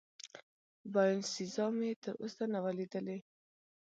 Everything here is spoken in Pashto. باینسیزا مې تراوسه نه وه لیدلې.